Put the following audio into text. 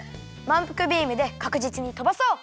まんぷくビームでかくじつにとばそう。